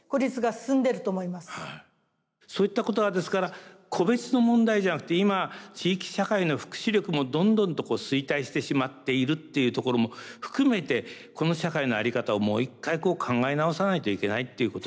そういったことはですから個別の問題じゃなくて今地域社会の福祉力もどんどんとこう衰退してしまっているっていうところも含めてこの社会の在り方をもう一回考え直さないといけないっていうことに。